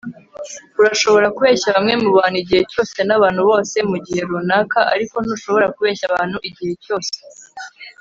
Urashobora kubeshya bamwe mubantu igihe cyose nabantu bose mugihe runaka ariko ntushobora kubeshya abantu igihe cyose